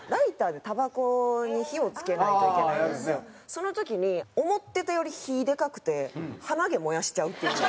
その時に思ってたより火でかくて鼻毛燃やしちゃうっていう。